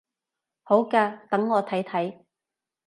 好嘅，等我睇睇